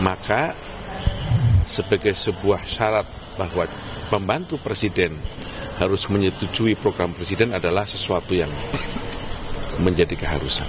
maka sebagai sebuah syarat bahwa pembantu presiden harus menyetujui program presiden adalah sesuatu yang menjadi keharusan